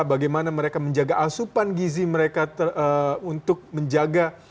bagaimana mereka menjaga asupan gizi mereka untuk menjaga